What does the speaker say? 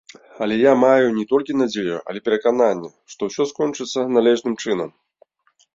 Але я маю не толькі надзею, але перакананне, што ўсё скончыцца належным чынам.